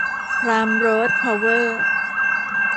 ไพร์ม โรด เพาเวอร์